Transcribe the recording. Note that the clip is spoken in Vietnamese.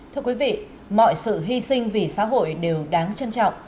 thưa quý vị mọi sự hy sinh vì xã hội đều đáng trân trọng